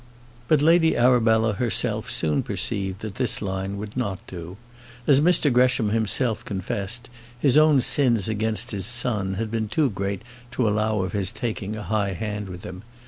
But Lady Arabella herself soon perceived, that this line would not do. As Mr Gresham himself confessed, his own sins against his son had been too great to allow of his taking a high hand with him.